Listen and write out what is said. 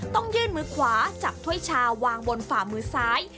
ต้องยื่นมือขวาจับถ้วยชาวางบนฝ่ามือซ้าย